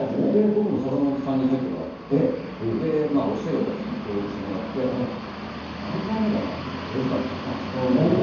僕も坂本さんに入ってもらって、教え子たちにも協力してもらって、何回目かな、４時間切ったんですよ。